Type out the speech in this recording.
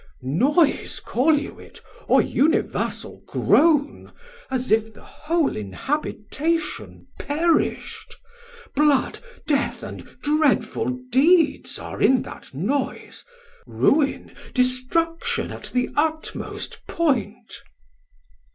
1510 Chor: Noise call you it or universal groan As if the whole inhabitation perish'd, Blood, death, and deathful deeds are in that noise, Ruin, destruction at the utmost point.